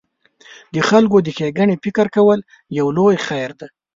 د خلکو د ښېګڼې فکر کول یو لوی خیر دی.